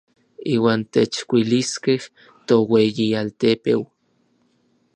Iuan techkuiliskej toueyialtepeu.